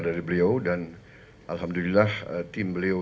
dari beliau dan alhamdulillah tim beliau